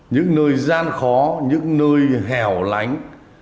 những nơi gian khó những nơi hẻo lánh